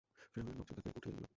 ফিরআউনের লোকজন তাকে উঠিয়ে নিল।